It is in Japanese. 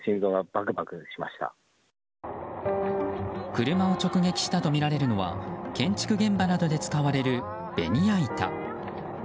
車を直撃したとみられるのは建築現場などで使われるベニヤ板。